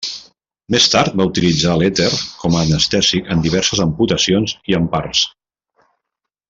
Més tard va utilitzar l'èter com a anestèsic en diverses amputacions i en parts.